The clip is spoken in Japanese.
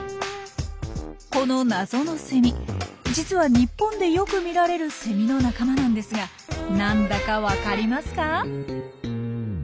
この謎のセミ実は日本でよく見られるセミの仲間なんですが何だかわかりますか？